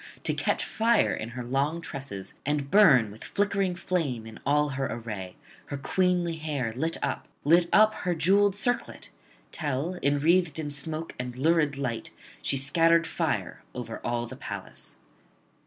to catch fire in her long tresses, and burn with flickering flame in all her array, her queenly hair lit up, lit up her jewelled circlet; till, enwreathed in smoke and lurid light, she scattered fire over all the palace.